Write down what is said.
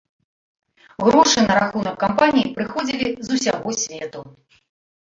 Грошы на рахунак кампаніі прыходзілі з усяго свету.